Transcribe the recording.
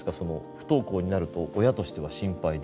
不登校になると親としては心配で。